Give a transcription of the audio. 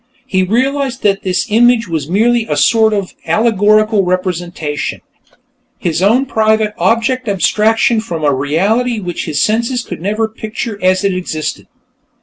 He realized that this image was merely a sort of allegorical representation, his own private object abstraction from a reality which his senses could never picture as it existed.